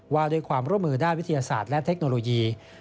ว่าด้วยความร่วมมือด้านวิทยาศาสตร์และเทคโนโลยี